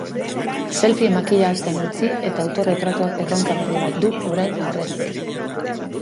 Selfie makila atzean utzi eta autorretratuak erronka berri bat du orain aurretik.